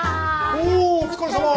おお疲れさま。